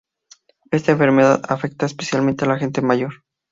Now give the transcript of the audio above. Esta enfermedad afecta especialmente a la gente mayor.